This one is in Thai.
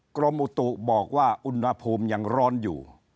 กรมอุตุบอกว่าอุณหภูมิยังร้อนอยู่